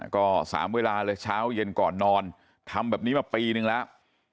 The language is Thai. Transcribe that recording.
ก็๓เวลาเลยเช้าเย็นก่อนนอนทำแบบนี้มาปีนึงแล้ว